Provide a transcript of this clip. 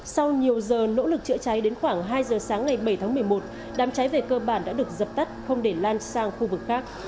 sau nhiều giờ nỗ lực chữa cháy đến khoảng hai giờ sáng ngày bảy tháng một mươi một đám cháy về cơ bản đã được dập tắt không để lan sang khu vực khác